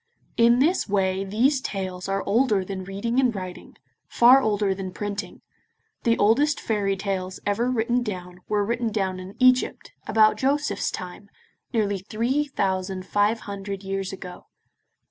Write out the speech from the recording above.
In this way these tales are older than reading and writing, far older than printing. The oldest fairy tales ever written down were written down in Egypt, about Joseph's time, nearly three thousand five hundred years ago.